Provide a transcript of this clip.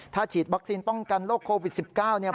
ถ้าฉีดวัคซีนป้องกันโรคโควิด๑๙เนี่ย